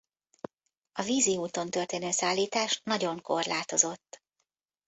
A vízi úton történő szállítás nagyon korlátozott.